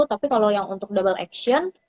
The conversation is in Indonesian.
tapi kalau yang untuk double action